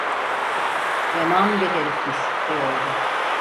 Yaman bir herifmiş, diyordu.